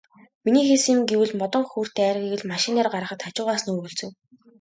Миний хийсэн юм гэвэл модон хөхүүртэй айргийг л машин дээр гаргахад хажуугаас нь өргөлцөв.